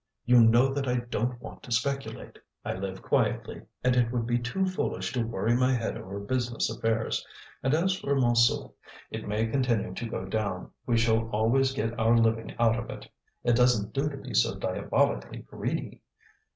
You know that I don't want to speculate. I live quietly, and it would be too foolish to worry my head over business affairs. And as for Montsou, it may continue to go down, we shall always get our living out of it. It doesn't do to be so diabolically greedy!